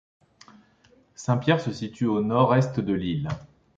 Saint-Pierre se situe au nord-est de l'île.